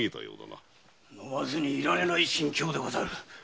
飲まずにいられない心境でござる。